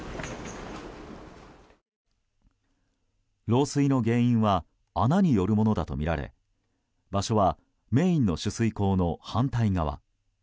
漏水の原因は穴によるものだとみられ場所はメインの取水口の反対側。